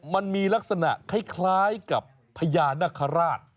มันมีลักษณะคล้ายกับพญานาคาราช